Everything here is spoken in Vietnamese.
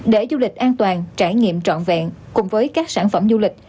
để du lịch an toàn trải nghiệm trọn vẹn cùng với các sản phẩm du lịch